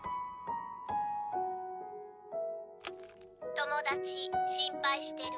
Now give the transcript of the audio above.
「友達心配してる。